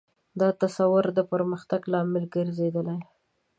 دا تصور د پرمختګ لامل ګرځېدلی.